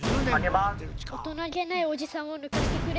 おとなげないおじさんをぬかしてくれ。